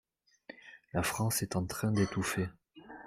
La France est en train d’étouffer.